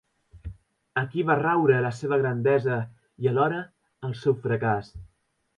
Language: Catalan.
Aquí va raure la seva grandesa i alhora el seu fracàs.